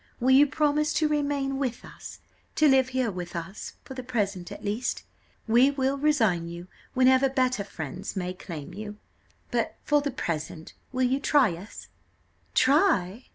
Will you promise to remain with us? to live here with us, for the present at least; we will resign you whenever better friends may claim you, but for the present will you try us?" "Try!"